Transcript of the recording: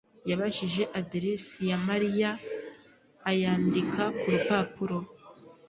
yabajije aderesi ya Mariya ayandika ku rupapuro.